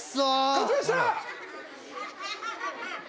勝ちました！